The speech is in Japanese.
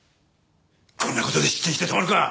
こんな事で失点してたまるか。